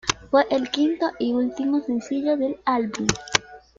Fue el quinto y último sencillo del álbum.